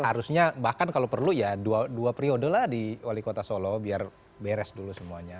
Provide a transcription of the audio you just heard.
harusnya bahkan kalau perlu ya dua periode lah di wali kota solo biar beres dulu semuanya